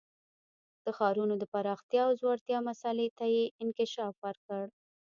د ښارونو د پراختیا او ځوړتیا مسئلې ته یې انکشاف ورکړ